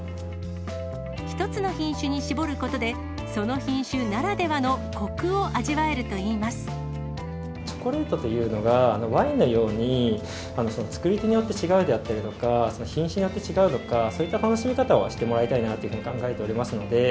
１つの品種に絞ることで、その品種ならではの、こくを味わチョコレートというのがワインのように、作り手によって違うであったりとか、その品種によって違うとか、そういった楽しみ方をしてもらいたいなというふうに考えておりま